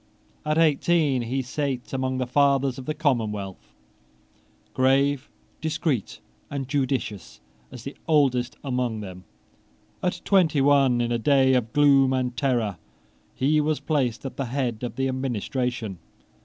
At eighteen he sate among the fathers of the commonwealth, grave, discreet, and judicious as the oldest among them. At twenty one, in a day of gloom and terror, he was placed at the head of the administration.